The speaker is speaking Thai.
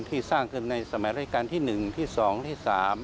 สร้างขึ้นในสมัยราชการที่๑ที่๒ที่๓